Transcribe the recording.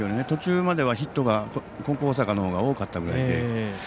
途中まではヒットが金光大阪のほうが多かったぐらいで。